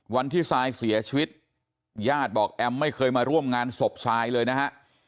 ทรายเสียชีวิตญาติบอกแอมไม่เคยมาร่วมงานศพทรายเลยนะฮะ